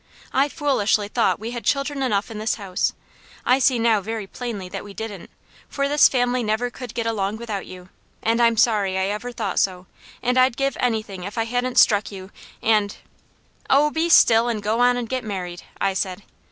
I foolishly thought we had children enough in this house. I see now very plainly that we didn't, for this family never could get along without you, and I'm sorry I ever thought so, and I'd give anything if I hadn't struck you and " "Oh be still, and go on and get married!" I said.